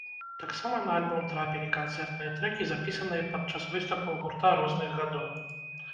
Таксама на альбом трапілі канцэртныя трэкі, запісаныя пад час выступаў гурта розных гадоў.